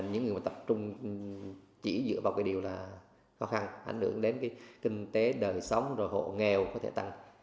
những người mà tập trung chỉ dựa vào cái điều là khó khăn ảnh hưởng đến cái kinh tế đời sống rồi hộ nghèo có thể tăng